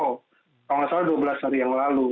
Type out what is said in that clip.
kalau nggak salah dua belas hari yang lalu